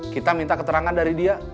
kita minta keterangan dari dia